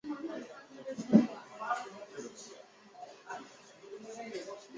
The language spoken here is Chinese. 担任南京大学教授。